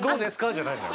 じゃないのよ。